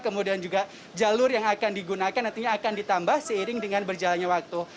kemudian juga jalur yang akan digunakan nantinya akan ditambah seiring dengan berjalannya waktu